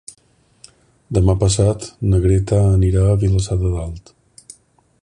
Demà passat na Greta anirà a Vilassar de Dalt.